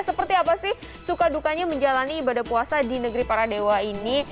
seperti apa sih suka dukanya menjalani ibadah puasa di negeri para dewa ini